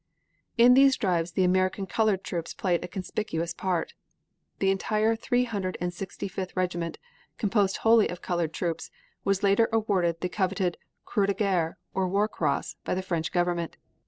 In these drives the American colored troops played a conspicuous part. The entire Three hundred and sixty fifth regiment, composed wholly of colored troops, was later awarded the coveted Croix de Guerre, or War Cross, by the French Government.